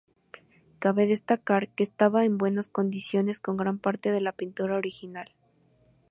Cabe destacar, que estaba en buenas condiciones, con gran parte de la pintura original.